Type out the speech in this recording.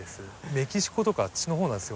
メキシコとかあっちの方なんですよ。